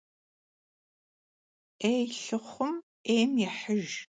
'êy lhıxhum 'êym yêhıjj.